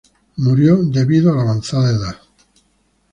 Murió debido a la avanzada edad de sí mismo.